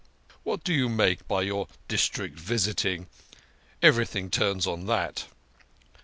What do you make by your district visiting ? Everything turns on that."